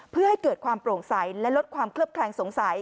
เพื่อให้เกิดความโปร่งใสและลดความเคลือบแคลงสงสัย